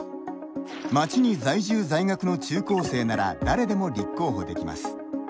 町に在住在学の中高生なら誰でも立候補できます。